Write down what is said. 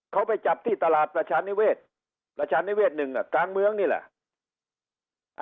เขาไปจับที่ตลาดราชาเนเวทราชาเนเวทหนึ่งอ่ะกลางเมืองนี่แหละ